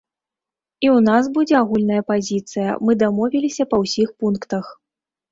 І ў нас будзе агульная пазіцыя, мы дамовіліся па ўсіх пунктах.